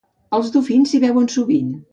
Els dofins s'hi veuen sovint.